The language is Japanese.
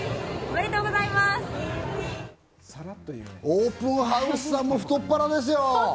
オープンハウスさんも太っ腹ですよ。